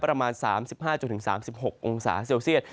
ประมาณ๓๕๓๖องศาเซลเซียต